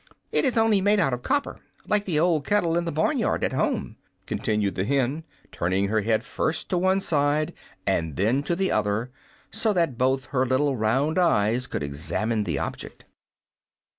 "It is only made out of copper, like the old kettle in the barn yard at home," continued the hen, turning her head first to one side and then to the other, so that both her little round eyes could examine the object.